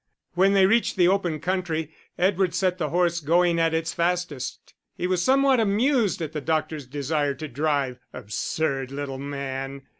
When they reached the open country, Edward set the horse going at its fastest; he was somewhat amused at the doctor's desire to drive absurd little man!